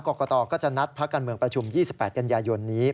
กรกตก็จะนัดพักการเมืองประชุม๒๘กันยายนนี้